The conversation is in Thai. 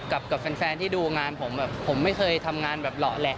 กับแฟนที่ดูงานผมแบบผมไม่เคยทำงานแบบเหลาะแหละ